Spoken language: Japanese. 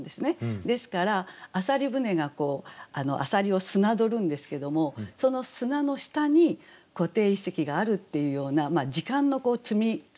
ですから浅蜊舟が浅蜊をすなどるんですけどもその砂の下に湖底遺跡があるっていうような時間の積み重ね